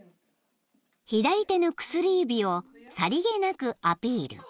［左手の薬指をさりげなくアピール］